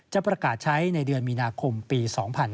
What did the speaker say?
จะประกาศใช้ในเดือนมีนาคมปี๒๕๕๙